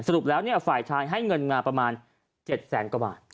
รุปแล้วฝ่ายชายให้เงินมาประมาณ๗แสนกว่าบาท